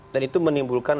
dan itu menimbulkan